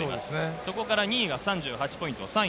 そこから２位が３８ポイント。